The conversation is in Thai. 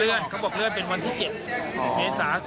เขาบอกเลื่อนเป็นวันที่๗เมษา